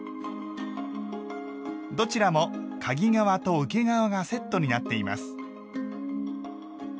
どちらもかぎ側と受け側がセットになっています。